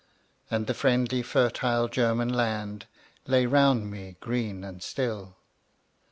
And the friendly fertile German land Lay round me green and still.